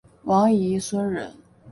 王沂孙人。